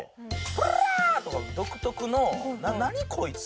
「プルャ」とか独特の何こいつ？